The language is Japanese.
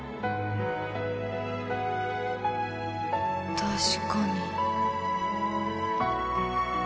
確かに